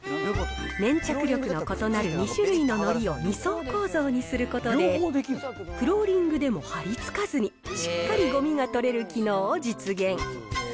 粘着力の異なる２種類ののりを２層構造にすることで、フローリングでも貼りつかずに、しっかりごみが取れる機能を実現。